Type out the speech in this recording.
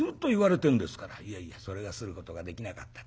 「いえいえそれがすることができなかったって。